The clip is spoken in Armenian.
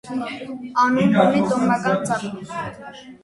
Անունն ունի տոհմական ծագում։